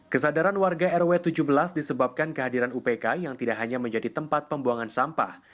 kesadaran warga rw tujuh belas disebabkan kehadiran upk yang tidak hanya menjadi tempat pembuangan sampah